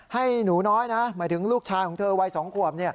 ให้หนูน้อยนะหมายถึงลูกชายของเธอวัย๒ขวบ